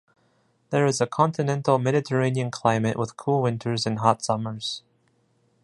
There is a continental Mediterranean climate with cool winters and hot summers.